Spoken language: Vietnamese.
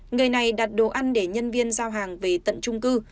người này đặt đồ ăn để nhân viên giao hàng về tận trung cư